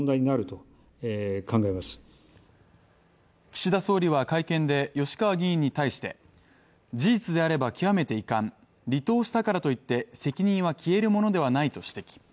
岸田総理は会見で吉川議員に対して、事実であれば極めて遺憾離党したからといって責任は消えるものではないと指摘。